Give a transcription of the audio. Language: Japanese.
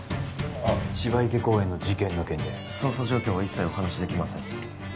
あっ芝池公園の事件の件で捜査状況は一切お話しできません